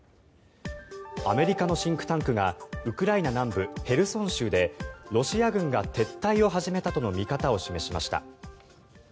アメリカのシンクタンクがウクライナ南部ヘルソン州でロシア軍が撤退を始めたとの見方を示しました。